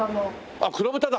あっ黒豚だ！